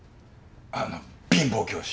あの貧乏教師！